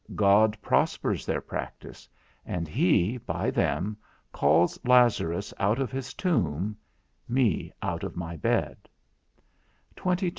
God prospers their practice, and he, by them, calls Lazarus out of his tomb, me out of my bed 138 22.